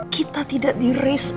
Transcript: kita tidak diwujudkan